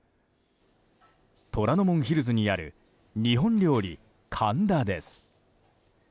虎ノ門ヒルズにある日本料理かんだです。